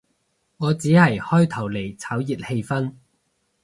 我只係開頭嚟炒熱氣氛